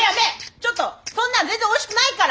ちょっとそんなの全然おいしくないから。